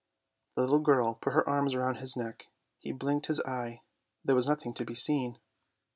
" The little girl put her arms round his neck, he blinked his eye, there was nothing to be seen.